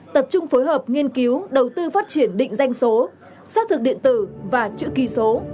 tập trung phối hợp nghiên cứu đầu tư phát triển định danh số xác thực điện tử và chữ ký số